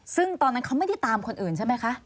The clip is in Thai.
ซึ่งตอนนั้นเขาไม่ได้ตามคนอื่นใช่ไหมคะ